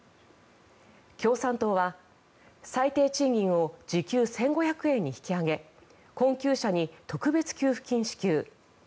共産党は最低賃金を時給１５００円に引き上げ困窮者に特別給付金支給。